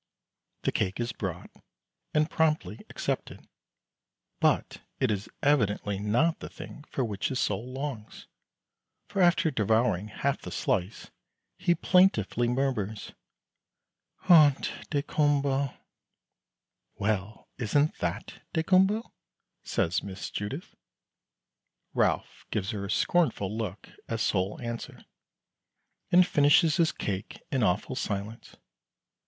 The cake is brought, and promptly accepted; but it is evidently not the thing for which his soul longs, for after devouring half the slice he plaintively murmurs, "Ont daykumboa." "Well, isn't that daykumboa?" says Miss Judith. Ralph gives her a scornful look as sole answer, and finishes his cake in awful silence.